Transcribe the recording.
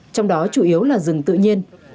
trong đó chủ yếu là rừng tự nhiên